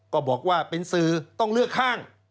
ก็บอกว่าเป็นสื่อต้องเลือกข้าง